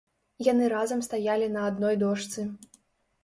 Яны разам стаялі на адной дошцы.